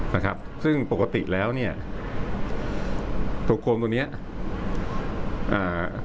นะครับซึ่งปกติแล้วเนี้ยตัวโคมตัวเนี้ยอ่า